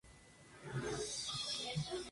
Era apodado "La manzana".